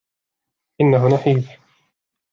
إنه نحيف.